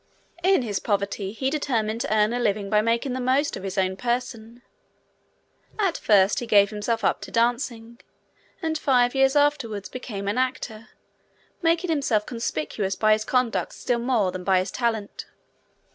In his poverty, he determined to earn a living by making the most of his own person. At first he gave himself up to dancing, and five years afterwards became an actor, making himself conspicuous by his conduct still more than by his talent.